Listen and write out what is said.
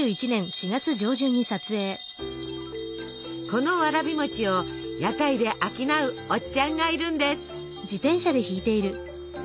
このわらび餅を屋台で商うおっちゃんがいるんです。